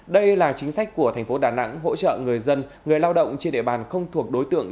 đây là chính sách của thành phố đà nẵng hỗ trợ người dân người lao động trên địa bàn không thuộc đối tượng